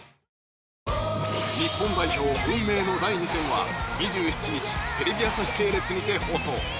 日本代表運命の第２戦は２７日テレビ朝日系列にて放送。